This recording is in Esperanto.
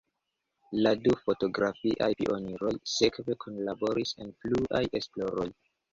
La du fotografiaj pioniroj sekve kunlaboris en pluaj esploroj.